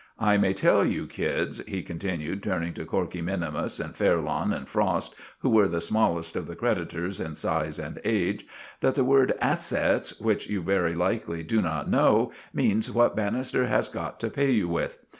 I may tell you kids," he continued, turning to Corkey minimus, and Fairlawn and Frost, who were the smallest of the creditors in size and age, "that the word 'assets,' which you very likely do not know, means what Bannister has got to pay you with.